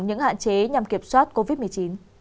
những hạn chế nhằm kiểm soát covid một mươi chín